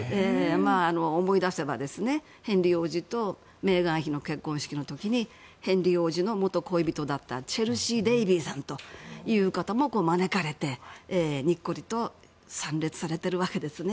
思い出せばヘンリー王子とメーガン妃の結婚式の時にヘンリー王子の元恋人だったチェルシー・デイビーさんも招かれて、にっこりと参列されているわけですね。